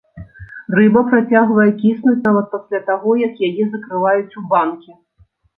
Рыба працягвае кіснуць нават пасля таго, як яе закрываюць у банкі.